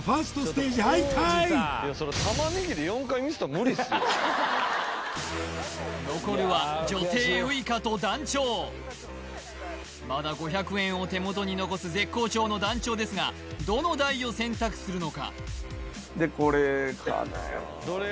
まさかのいやそら残るは女帝ウイカと団長まだ５００円を手元に残す絶好調の団長ですがどの台を選択するのか？